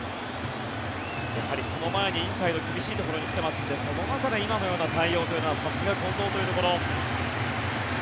その前にインサイド厳しいところに来てますのでその中で今のような対応というのはさすが近藤というところ。